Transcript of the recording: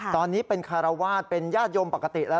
ตอนนี้เป็นคารวาสเป็นญาติโยมปกติแล้ว